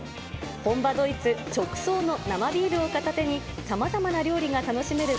本場ドイツ直送の生ビールを片手に、さまざまな料理が楽しめる